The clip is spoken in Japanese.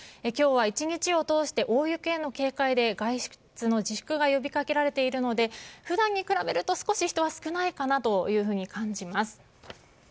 今日は１日を通して大雪への警戒で外出の自粛が呼びかけられているので普段に比べると少し人は少ないかなと感じます。